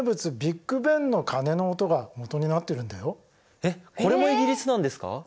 これもえこれもイギリスなんですか？